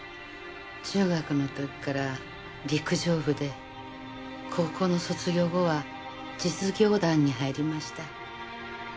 中学の時から陸上部で高校の卒業後は実業団に入りました。